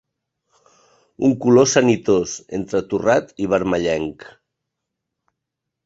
Un color sanitós, entre torrat i vermellenc.